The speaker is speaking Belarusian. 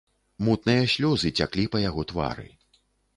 Мутныя слёзы цяклі па яго твары.